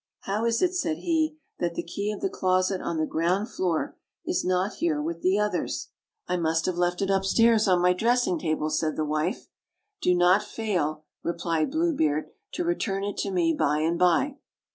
"How is it," said he, "that the key of the closet on the ground floor is not here with the others?" 74 OLD, OLD FAIRT TALES. "I must have 'left it upstairs on my dressing table/' said the wife. "Do not fail," replied Blue Beard, "to return it to me by and by."